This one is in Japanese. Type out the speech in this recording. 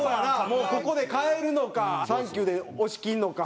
もうここで変えるのか「サンキュ」で押しきるのか。